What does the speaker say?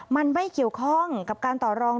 มันไม่เกี่ยวข้องกับการต่อรอง